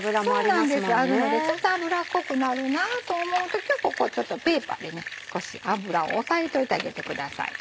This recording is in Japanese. そうなんですあるのでちょっと油っこくなるなと思う時はちょっとペーパーで少し油をおさえといてあげてください。